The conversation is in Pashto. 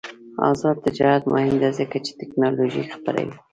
آزاد تجارت مهم دی ځکه چې تکنالوژي خپروي.